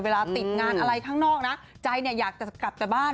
เวลาติดงานอะไรข้างนอกนะใจเนี่ยอยากจะกลับแต่บ้าน